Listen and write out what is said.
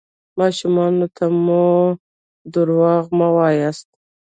ماشومانو ته مو درواغ مه وایاست.